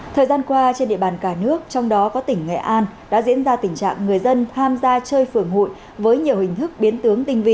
thời gian qua trên địa bàn cả nước trong đó có tỉnh nghệ an đã diễn ra tình trạng người dân tham gia chơi phường hụi với nhiều hình thức biến tướng tinh vi